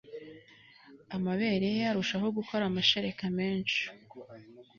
amabere ye arushaho gukora amashereka menshi